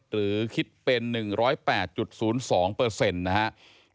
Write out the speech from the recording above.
หรือคิดเป็น๑๐๘๐๒เปอร์เซ็นต์นะฮะ